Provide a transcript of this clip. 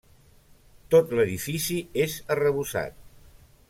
Tot l'edifici és arrebossat.